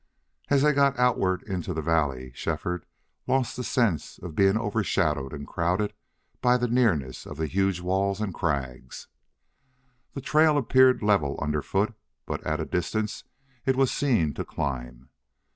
As they got outward into the valley Shefford lost the sense of being overshadowed and crowded by the nearness of the huge walls and crags. The trail appeared level underfoot, but at a distance it was seen to climb.